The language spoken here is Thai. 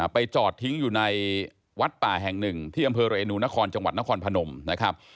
ไปจอดทิ้งอยู่ในวัดป่าแห่งหนึ่งที่อำเภอเรนูนครจังหวัดนครพนมนะครับ